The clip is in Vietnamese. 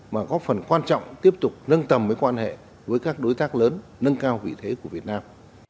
mà có phần quan trọng tiếp tục nâng tầm với quan hệ với các đối tác lớn nâng cao vị thế của việt nam